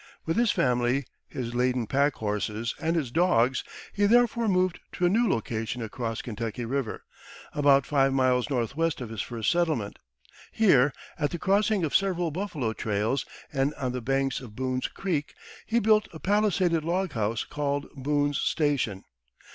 With his family, his laden packhorses, and his dogs, he therefore moved to a new location across Kentucky River, about five miles northwest of his first settlement. Here, at the crossing of several buffalo trails, and on the banks of Boone's Creek, he built a palisaded log house called Boone's Station.